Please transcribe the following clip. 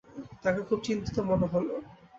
তাঁকে খুব চিন্তিত মনে হল।